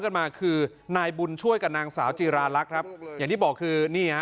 กันมาคือนายบุญช่วยกับนางสาวจีราลักษณ์ครับอย่างที่บอกคือนี่ฮะ